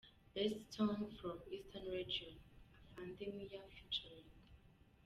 Best Song from Eastern Region: Afande Miah Ft.